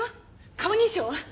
顔認証は？